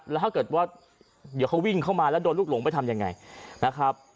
แล้วถ้าเกิดว่าเดี๋ยวเขาวิ่งเข้ามาแล้วโดนลูกหลงไปทำยังไงนะครับ